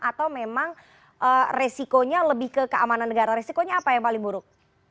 atau memang resikonya lebih ke keamanan negara resikonya apa yang paling buruk